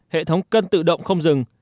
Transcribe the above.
hệ thống cân tự động không rừng